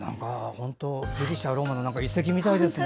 ギリシャ、ローマの遺跡みたいですね。